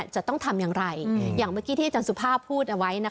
จะต้องทำอย่างไรอย่างเมื่อกี้ที่อาจารย์สุภาพพูดเอาไว้